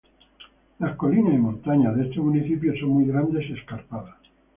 Las colinas y montañas de este municipio son muy grandes y escarpadas.